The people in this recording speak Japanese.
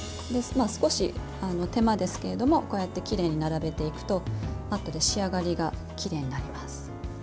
少し手間ですけれどもこうやってきれいに並べていくとあとで仕上がりがきれいになります。